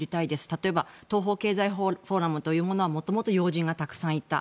例えば東方経済フォーラムというものはもともと要人がたくさんいた。